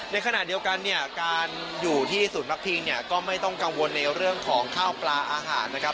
ในขณะเดียวกันเนี่ยการอยู่ที่ศูนย์พักพิงเนี่ยก็ไม่ต้องกังวลในเรื่องของข้าวปลาอาหารนะครับ